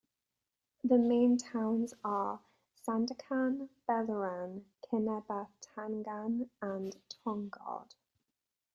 The main towns are Sandakan, Beluran, Kinabatangan, and Tongod.